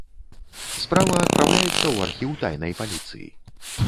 Справа адпраўляецца ў архіў тайнай паліцыі.